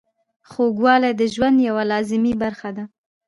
خوږوالی د ژوند یوه لازمي برخه ده.